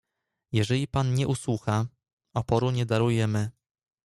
"Jeżeli pan nie usłucha, oporu nie darujemy."